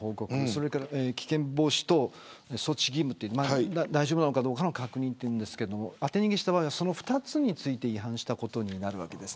それから危険防止等措置義務といって大丈夫なのかどうかの確認というんですけど当て逃げした場合はその２つについて違反したことになるわけです。